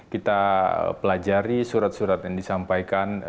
kita pelajari surat surat yang disampaikan